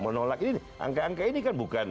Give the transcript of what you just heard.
menolak ini angka angka ini kan bukan